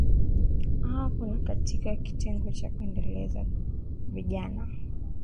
aha kuna katika kitengo cha kuendeleza vijana